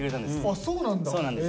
あそうなんだ！